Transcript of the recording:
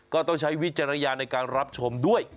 ก็ต้องใช้วิจารณญาณในการรับชมด้วย